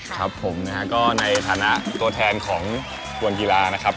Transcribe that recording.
ครับผมนะฮะก็ในฐานะตัวแทนของคนกีฬานะครับ